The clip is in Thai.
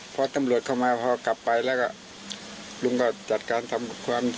พอตำรวจเข้ามาพอกลับไปแล้วก็ลุงก็จัดการทำความ